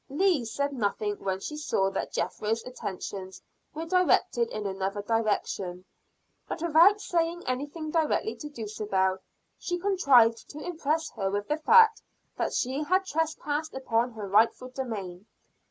Leah said nothing when she saw that Jethro's attentions were directed in another direction; but without saying anything directly to Dulcibel, she contrived to impress her with the fact that she had trespassed upon her rightful domain.